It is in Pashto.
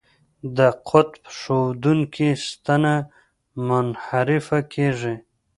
د قطب ښودونکې ستنه منحرفه کیږي.